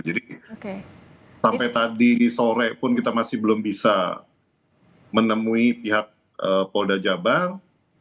jadi sampai tadi sore pun kita masih belum bisa menemui pihak polda jabang